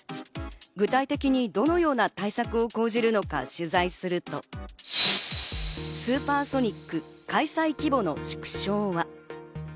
具体的にどのような対策を講じるの取材すると、スーパーソニック開催規模の縮小は？